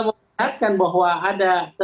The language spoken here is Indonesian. mengingatkan bahwa ada